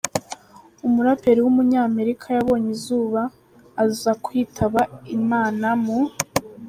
umuraperi w’umunyamerika yabonye izuba, aza kwitaba Imana mu .